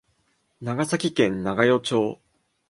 長崎県長与町